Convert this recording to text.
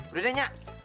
udah deh nya